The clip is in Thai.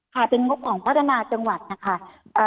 ค่ะเป็นงบของพัฒนาจังหวัดนะคะ